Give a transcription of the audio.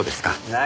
何？